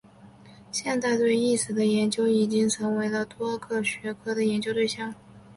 现代对意识的研究已经成为了多个学科的研究对象。